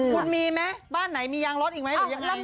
คุณมีไหมบ้านไหนมียางล้อหรือยังไง